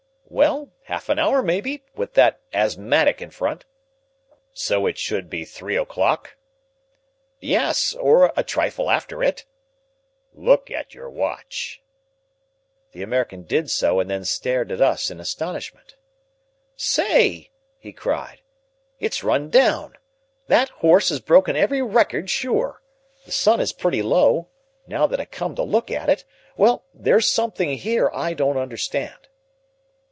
"Well, half an hour, maybe, with that asthmatic in front." "So it should be three o'clock?" "Yes, or a trifle after it." "Look at your watch." The American did so and then stared at us in astonishment. "Say!" he cried. "It's run down. That horse has broken every record, sure. The sun is pretty low, now that I come to look at it. Well, there's something here I don't understand."